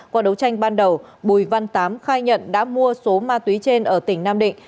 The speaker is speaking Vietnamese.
qua đấu tranh ban đầu bùi văn tám khai nhận đã mua số ma túy trên ở tỉnh nam định